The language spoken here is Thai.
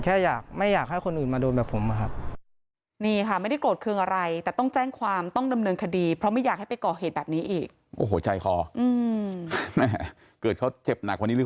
แค่อยากไม่อยากให้คนอื่นมาโดนแบบผมอะครับ